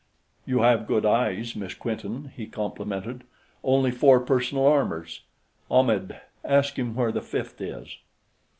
"You have good eyes, Miss Quinton," he complimented. "Only four personal armors; Ahmed, ask him where the fifth is."